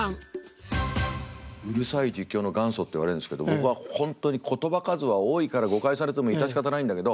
うるさい実況の元祖って言われるんですけど僕は本当に言葉数は多いから誤解されても致し方ないんだけど。